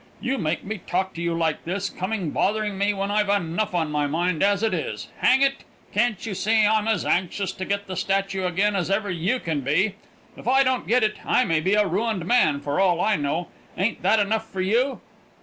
You make me talk to you like this, coming bothering when I've enough on my mind as it is! Hang it! Can't you see I'm as anxious to get that statue again as ever you can be? If I don't get it, I may be a ruined man, for all I know; ain't that enough for you?